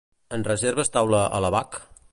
Ens reserves taula a l'ABaC?